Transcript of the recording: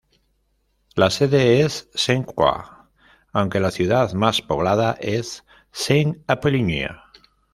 La sede es Saint-Croix aunque la ciudad más poblada es Saint-Appolinaire.